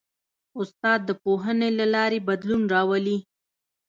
استاد د پوهنې له لارې بدلون راولي.